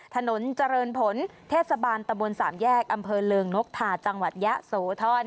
ถนนเจริญพลเทศบาลตะบน๓แยกอำเภอเลิงนกทาจังหวัดยะสูท่อน